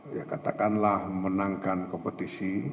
ya katakanlah menangkan kompetisi